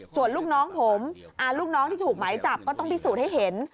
ส่วนลูกน้องผมลูกน้องที่ถูกหมายจับก็ต้องพิสูจน์ให้เห็น